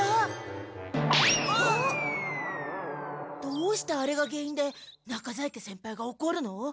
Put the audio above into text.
どうしてあれが原因で中在家先輩がおこるの？